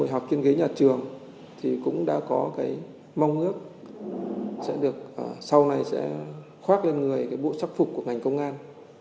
học trên ghế nhà trường thì cũng đã có cái mong ước sẽ được sau này sẽ khoác lên người cái bộ sắc phục của ngành công an